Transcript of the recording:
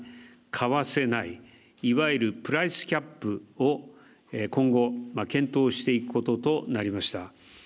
買わせないいわゆるプライスキャップを今後、検討していくこととなりました。